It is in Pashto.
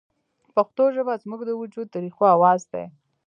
پښتو ژبه زموږ د وجود د ریښو اواز دی